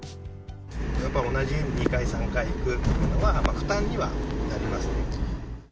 やっぱり同じ家に２回、３回行くというのは、負担にはなりますね。